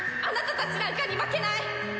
あなたたちなんかに負けない！